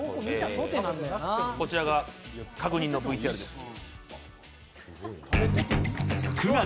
こちらが確認のＶＴＲです。